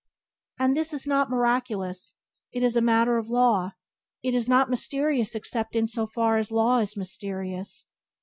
And this is not miraculous, it is a matter of law; it is not mysterious except in so far as law is mysterious.